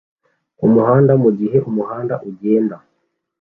kumuhanda mugihe umuhanda ugenda